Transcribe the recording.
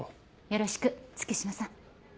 よろしく月島さん。